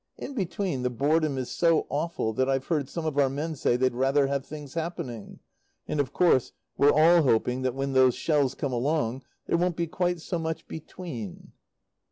In between, the boredom is so awful that I've heard some of our men say they'd rather have things happening. And, of course, we're all hoping that when those shells come along there won't be quite so much "between."